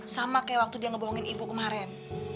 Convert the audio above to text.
sama kayak waktu dia ngebohongin ibu kemarin